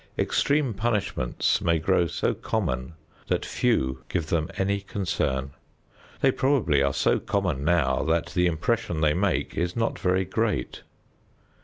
Extreme punishments may grow so common that few give them any concern. They probably are so common now that the impression they make is not very great.